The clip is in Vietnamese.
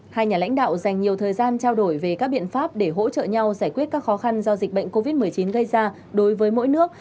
hai nhà lãnh đạo dành nhiều thời gian trao đổi về các biện pháp để hỗ trợ nhau giải quyết các khó khăn do dịch bệnh covid một mươi chín gây ra đối với mỗi nước